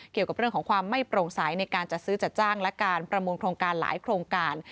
เกี่ยวกับเรื่องของความไม่โปร่งใสในการจัดซื้อจัดจ้างและการประมูลโครงการหลายโครงการ